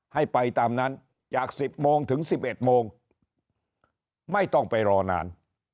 ให้ไปตามนั้นจาก๑๐โมงถึง๑๑โมงไม่ต้องไปรอนาน